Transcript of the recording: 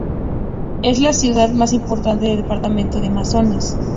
Es la ciudad más importante de Departamento de Amazonas.